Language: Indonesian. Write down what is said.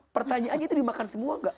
pertanyaannya itu dimakan semua gak